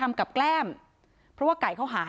ไปโบกรถจักรยานยนต์ของชาวอายุขวบกว่าเองนะคะ